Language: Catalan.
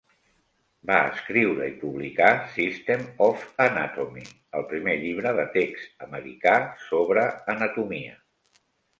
Va escriure i publicar "System of Anatomy", el primer llibre de text americà sobre anatomia.